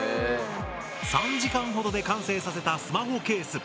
３時間ほどで完成させたスマホケース。